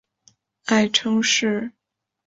爱称是。